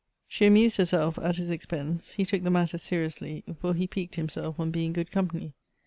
She amused herself at his expense ; he took the matter seriously, for he piqued himself on being good company.